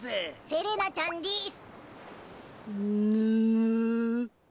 セレナちゃんでぃす。